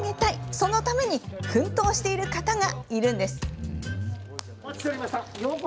そのために奮闘している方がいるんです。